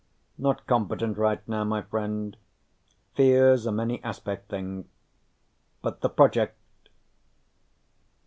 Not competent right now, my friend. Fear's a many aspect thing. But The Project...."